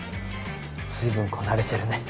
随分こなれてるね。